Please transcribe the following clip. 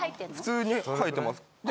普通に生えてます。